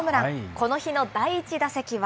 この日の第１打席は。